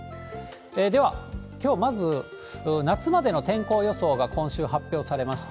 では、きょうまず、夏までの天候予想が今週発表されました。